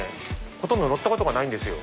ほとんど乗ったことがないんですよ。